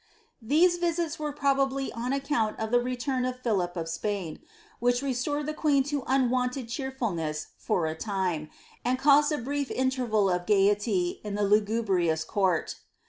These visits were probably on account of the return of Philip of Spain, which restored Uie queen to unwonted cheerfulness for a time, and caused a brief interval of gaiety in the lugubrious court.